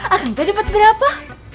akang tadi dapat berapa